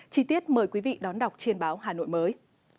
chi tiết mời quý vị đón đọc trên báo hà nội mới